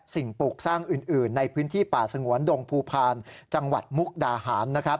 ปลูกสร้างอื่นในพื้นที่ป่าสงวนดงภูพาลจังหวัดมุกดาหารนะครับ